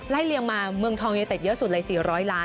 และให้เรียงมาเมืองทองเยอะเตะเยอะสุดเลย๔๐๐ล้าน